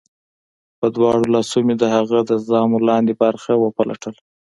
په دواړو لاسو مې د هغه د ژامو لاندې برخه وپلټله